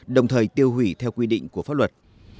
đồng thời tiêu hủy theo quy định của pháp luật